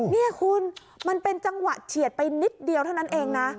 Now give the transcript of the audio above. นี่คุณมันเป็นจังหวะเฉียดไปนิดเดียวเท่านั้นเองนะ